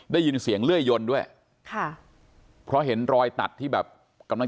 ได้ยินเสียงเลื่อยยนด้วยค่ะเพราะเห็นรอยตัดที่แบบกำลัง